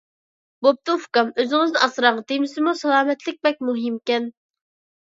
بوپتۇ ئۇكام، ئۆزىڭىزنى ئاسراڭ. دېمىسىمۇ سالامەتلىك بەك مۇھىمكەن.